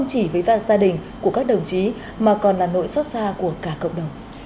gia đình của các đồng chí mà còn là nỗi xót xa của cả cộng đồng